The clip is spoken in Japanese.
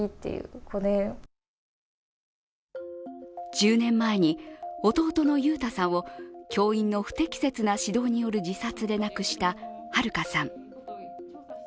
１０年前に弟の悠太さんを教員の不適切な指導で亡くしたはるかさん。